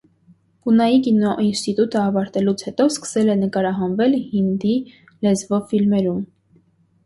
Պունայի կինոինստիտուտը ավարտելուց հետո սկսել է նկարահանվել հինդի լեզվով ֆիլմերում։